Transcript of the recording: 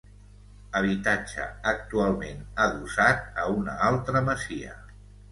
Habitatge actualment adossat a una altra masia.